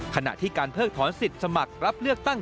ขณะที่การเพิกถอนสิทธิ์สมัครรับเลือกตั้ง